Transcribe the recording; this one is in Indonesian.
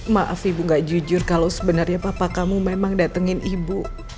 maaf ibu gak jujur kalau sebenarnya papa kamu memang datengin ibu